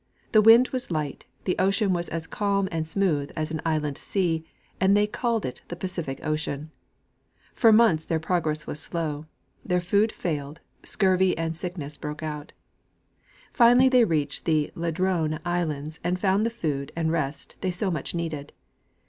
The wind was light, the ocean was as calm and smooth as an inland sea, and they called it the Pacific ocean. For months their prog ress was slow ; their food failed ; scurvy and sickness broke out. * Figure 1. — Magellan's Circumnavigation. Finally they reached the Ladrone islands and found the food and rest they so much needed.